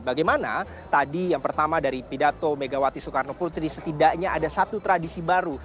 bagaimana tadi yang pertama dari pidato megawati soekarno putri setidaknya ada satu tradisi baru